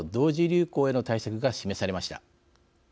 流行への対策が示されました。